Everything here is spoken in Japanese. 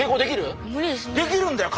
できるんだよ